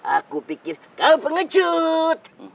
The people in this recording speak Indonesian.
aku pikir kau pengecut